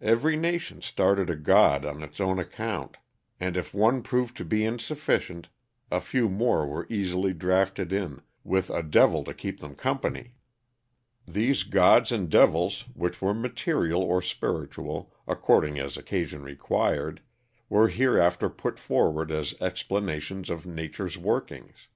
Every nation started a god on its own account, and if one proved to be insufficient, a few more were easily drafted in, with a devil to keep them company. These gods and devils, which were material or spiritual, according as occasion required, were hereafter put forward as explanations of nature's workings.